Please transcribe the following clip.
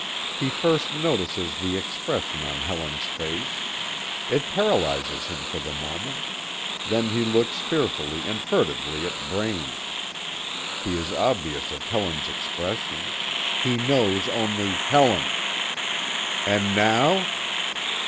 He first notices the expression on Helen's face. It paralyzes him for the moment; then he looks fearfully and furtively at Braine. He is oblivious of Helen's expression. He knows only Helen. "And now?"